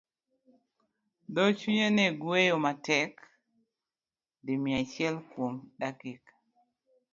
Dho chunye ne gweyo matek di mia achiel kuom dakika.